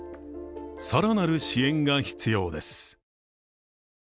更なる支援が必要です。